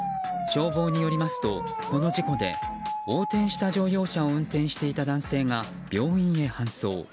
消防によりますとこの事故で横転した乗用車を運転していた男性が病院へ搬送。